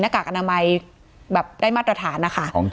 กากอนามัยแบบได้มาตรฐานนะคะ